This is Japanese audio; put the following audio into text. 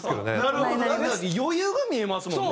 なんか余裕が見えますもんね。